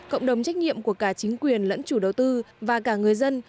cộng đồng trách nhiệm của cả chính quyền lẫn chủ đầu tư và cả người dân